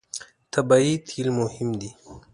طبیعي تېل مهم دي.